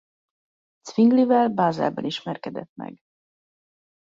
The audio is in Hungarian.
Zwinglivel Bázelben ismerkedett meg.